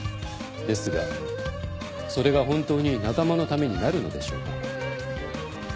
ですがそれが本当に仲間のためになるのでしょうか？